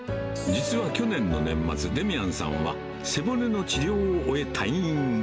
実は去年の年末、デミアンさんは背骨の治療を終え、退院。